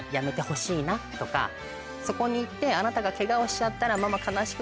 「そこに行ってあなたがケガをしちゃったら」。